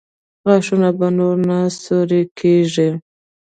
غاښونه به نور نه سوري کېږي؟